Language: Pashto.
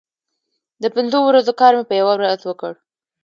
د پنځو ورځو کار مې په یوه ورځ وکړ.